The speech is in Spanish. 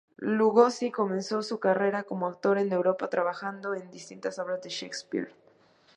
Lugosi comenzó su carrera como actor en Europa, trabajando en distintas obras de Shakespeare.